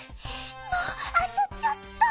もうあとちょっと！